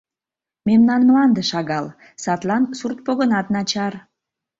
Мемнан мланде шагал, садлан сурт погынат начар.